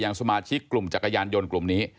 สมาชิกกลุ่มจักรยานยนต์กลุ่มนี้